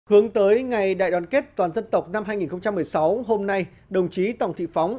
hướng tới ngày đại đoàn kết toàn dân tộc năm hai nghìn một mươi sáu hôm nay đồng chí tòng thị phóng